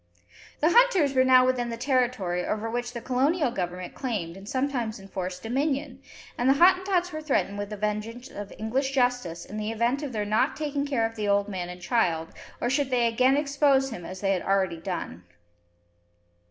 The hunters were now within the territory over which the Colonial Government claimed and sometimes enforced dominion, and the Hottentots were threatened with the vengeance of English justice in the event of their not taking care of the old man and child, or should they again expose him as they had already done.